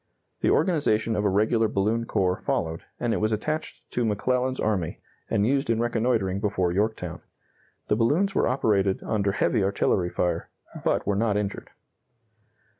The organization of a regular balloon corps followed, and it was attached to McClellan's army, and used in reconnoitering before Yorktown. The balloons were operated under heavy artillery fire, but were not injured.